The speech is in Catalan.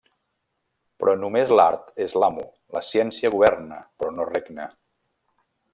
Però només l'art és l'amo, la ciència governa però no regna.